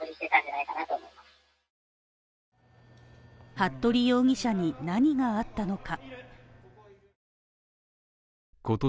服部容疑者に何があったのか。